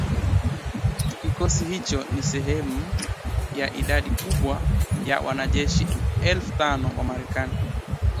Kikosi hicho ni sehemu ya idadi kubwa ya wanajeshi elfu tano wa Marekani